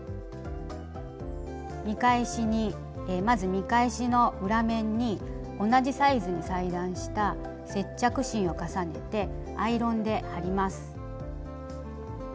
まず見返しの裏面に同じサイズに裁断した接着芯を重ねてアイロンで貼ります。